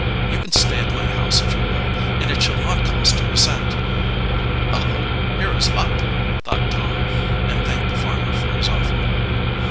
You can stay at my house if you will, and it shall not cost you a cent." "Hullo, here is luck!" thought Tom, and thanked the farmer for his offer.